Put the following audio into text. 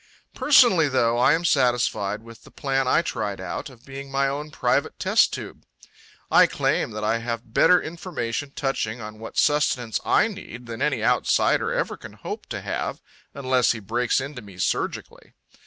Personally, though, I am satisfied with the plan I tried out, of being my own private test tube. I claim that I have better information touching on what sustenance I need than any outsider ever can hope to have unless he breaks into me surgically.